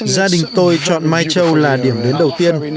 gia đình tôi chọn mai châu là điểm đến đầu tiên